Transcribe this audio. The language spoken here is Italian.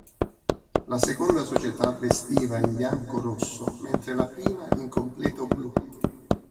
La seconda società vestiva in bianco rosso, mentre la prima in completo blu.